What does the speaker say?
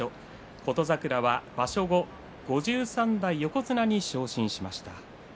琴櫻は場所後５３代横綱に昇進しました。